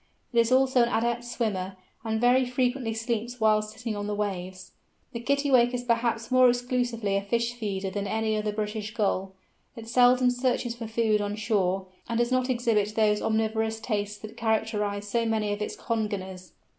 It is also an adept swimmer, and very frequently sleeps whilst sitting on the waves. The Kittiwake is perhaps more exclusively a fish feeder than any other British Gull. It seldom searches for food on shore, and does not exhibit those omnivorous tastes that characterise so many of its congeners.